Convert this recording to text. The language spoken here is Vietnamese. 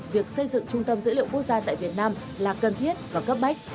việc xây dựng trung tâm dữ liệu quốc gia tại việt nam là cần thiết và cấp bách